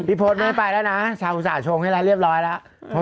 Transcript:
พี่พลนไม่ได้ไปแล้วนะชาวสาชงให้รายเรียบร้อยแล้ว